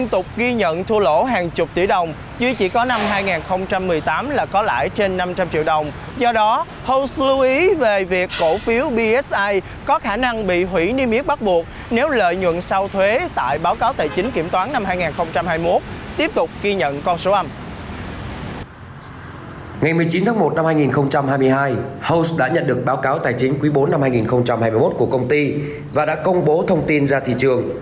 ngày một mươi chín tháng một năm hai nghìn hai mươi hai holtz đã nhận được báo cáo tài chính quý bốn năm hai nghìn hai mươi một của công ty và đã công bố thông tin ra thị trường